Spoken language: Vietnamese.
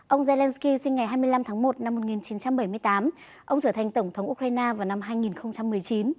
ông zelensky sinh ngày hai mươi năm tháng một năm một nghìn chín trăm bảy mươi tám ông trở thành tổng thống ukraine vào năm hai nghìn một mươi chín